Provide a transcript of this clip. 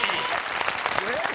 えっ！